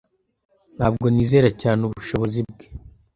Ntabwo nizera cyane ubushobozi bwe.